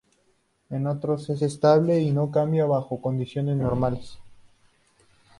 En otros es estable y no cambia bajo condiciones normales.